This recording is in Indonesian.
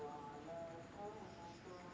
tadi ga usah person cash